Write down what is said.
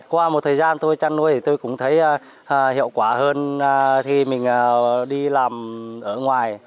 qua một thời gian tôi chăn nuôi thì tôi cũng thấy hiệu quả hơn khi mình đi làm ở ngoài